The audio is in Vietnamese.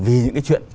vì những cái chuyện